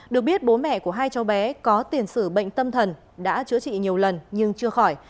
được biết bố mẹ của hai cháu bé có tiền sử bệnh tâm thần đã chữa trị nhiều lần nhưng chưa khỏi